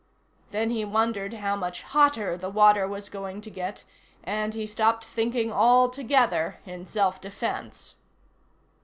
Then he wondered how much hotter the water was going to get, and he stopped thinking altogether in self defense.